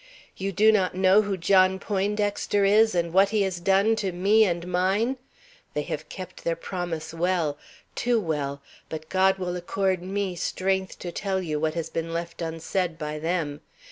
"You do not know who John Poindexter is, and what he has done to me and mine? They have kept their promise well, too well, but God will accord me strength to tell you what has been left unsaid by them.